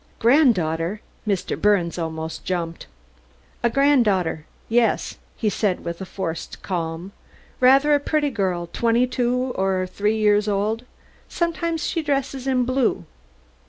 Granddaughter! Mr. Birnes almost jumped. "A granddaughter, yes," he said with a forced calm. "Rather a pretty girl, twenty two or three years old? Sometimes she dresses in blue?"